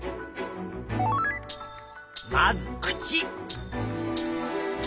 まず口。